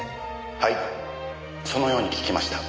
はいそのように聞きました。